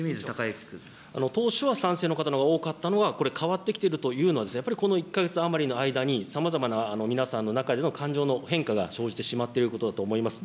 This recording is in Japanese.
当初は賛成の方のほうが多かったのは、これ、変わってきてるというのは、やっぱり、この１か月余りの間に、さまざまな皆さんの中での感情の変化が生じてしまっていることだと思います。